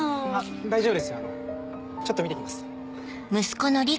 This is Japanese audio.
大丈夫ですよちょっと見てきます。